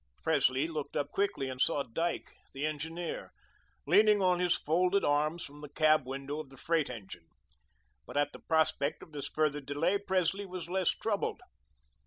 Presley looked up quickly, and saw Dyke, the engineer, leaning on his folded arms from the cab window of the freight engine. But at the prospect of this further delay, Presley was less troubled.